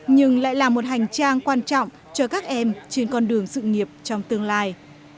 nhưng lại là một hành trang quan trọng cho các em trên con đường sự nghiệp trong tương lai